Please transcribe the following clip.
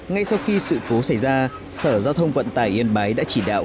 ngay sau khi sự cố xảy ra sở giao thông vận tải yên bái đã chỉ đạo